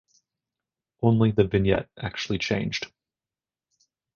Only the vignette actually changed.